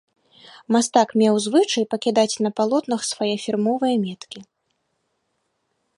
Мастак меў звычай пакідаць на палотнах свае фірмовыя меткі.